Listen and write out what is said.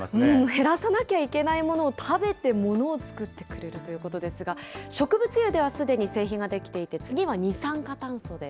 減らさなきゃいけないものを食べて、ものをつくってくれるということですが、植物油ではすでに製品が出来ていて、次は二酸化炭素で。